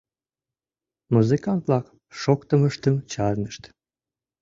Музыкант-влак шоктымыштым чарнышт.